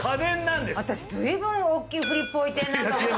私、随分大きいフリップ置いてるなと思った。